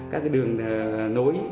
các cái đường nối